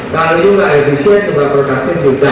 kalau tidak efisien sebuah produkting juga